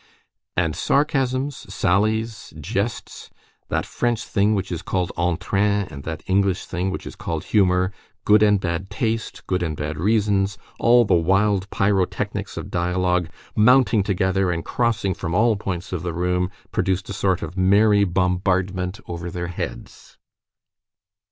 And sarcasms, sallies, jests, that French thing which is called entrain, and that English thing which is called humor, good and bad taste, good and bad reasons, all the wild pyrotechnics of dialogue, mounting together and crossing from all points of the room, produced a sort of merry bombardment over their heads.